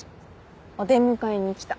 お出迎えに来た。